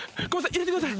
入れてください。